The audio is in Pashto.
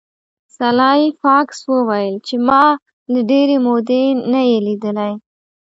سلای فاکس وویل چې ما له ډیرې مودې نه یې لیدلی